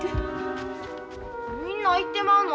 みんな行ってまうの？